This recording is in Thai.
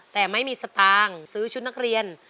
แต่ไม่มีสตางค์ซื้อชุดนักเรียน